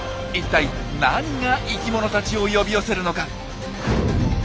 一体何が生きものたちを呼び寄せるのか？